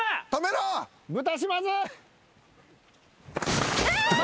豚島津！